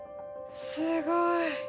すごい。